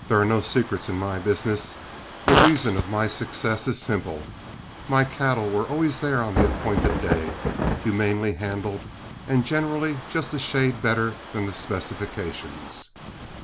There are no secrets in my business; the reason of my success is simple my cattle were always there on the appointed day, humanely handled, and generally just a shade better than the specifications.